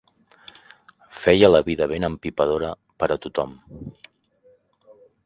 Feia la vida ben empipadora per a tothom.